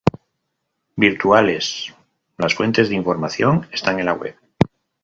Virtuales: las fuentes de información están en la web.